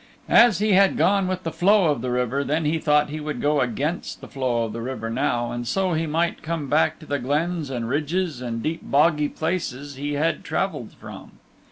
As he had gone with the flow of the river then he thought he would go against the flow of the river now, and so he might come back to the glens and ridges and deep boggy places he had traveled from.